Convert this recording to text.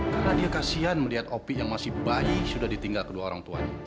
karena dia kasian melihat opi yang masih bayi sudah ditinggal kedua orang tuanya